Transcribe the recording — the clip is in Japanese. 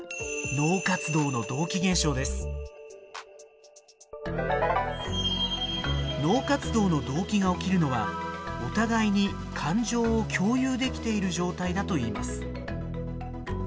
これが脳活動の同期が起きるのはお互いに感情を共有できている状態だといいます。